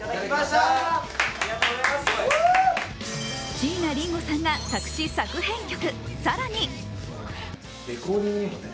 椎名林檎さんが作詞作編曲